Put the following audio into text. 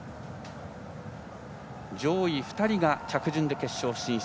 上位２人が着順で決勝進出。